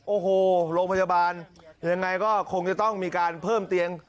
โอ้โหโรงพยาบาลยังไงก็คงจะต้องมีการเพิ่มเตียง